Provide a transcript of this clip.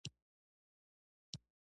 چې نن اعلانيږي سبا اعلانيږي.